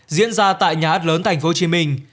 diễn ra tại nhà hát lớn thành phố hồ chí minh